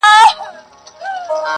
o په منډه نه ده، په ټنډه ده.